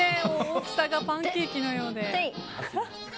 大きさがパンケーキのようで。